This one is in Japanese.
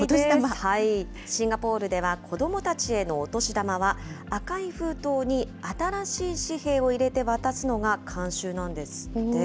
シンガポールでは、子どもたちへのお年玉は、赤い封筒に新しい紙幣を入れて渡すのが慣習なんですって。